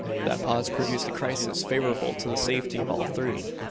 That pause produced a crisis favourable to the safety of all three.